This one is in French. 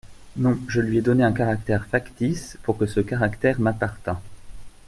Non, je lui ai donné un caractère factice, pour que ce caractère m’appartint…